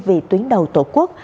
và quỹ vì tuyến đầu tổ quốc